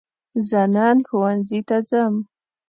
زه نن ښوونځي ته ځم